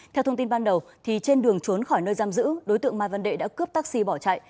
theo thông tin ban đầu trên đường trốn khỏi nơi giam giữ đối tượng mai văn đệ đã cướp taxi bỏ chạy